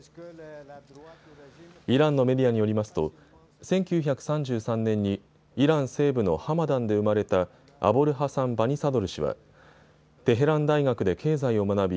イランのメディアによりますと１９３３年にイラン西部のハマダンで生まれたアボルハサン・バニサドル氏はテヘラン大学で経済を学び